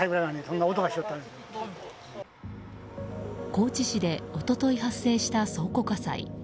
高知市で一昨日発生した倉庫火災。